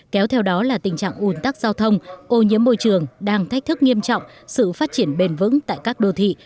kéo theo đó là tình trạng ủn tắc giao thông ô nhiễm môi trường đang thách thức nghiêm trọng sự phát triển bền vững tại các đô thị